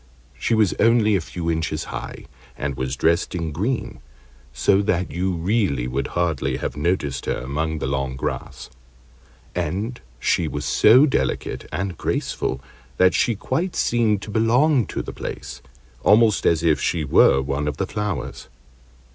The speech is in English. She was only a few inches high, and was dressed in green, so that you really would hardly have noticed her among the long grass; and she was so delicate and graceful that she quite seemed to belong to the place, almost as if she were one of the flowers.